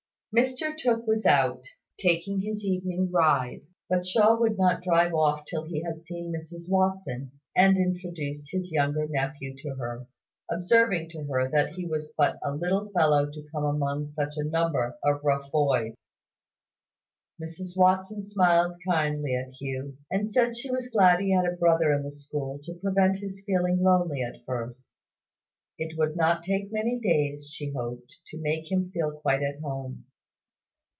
Mr Tooke was out, taking his evening ride; but Mr Shaw would not drive off till he had seen Mrs Watson, and introduced his younger nephew to her, observing to her that he was but a little fellow to come among such a number of rough boys. Mrs Watson smiled kindly at Hugh, and said she was glad he had a brother in the school, to prevent his feeling lonely at first. It would not take many days, she hoped, to make him feel quite at home.